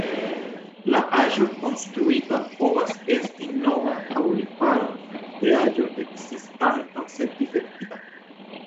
La aĵo konstruita povas esti nova aŭ riparo de aĵo ekzistanta sed difektita.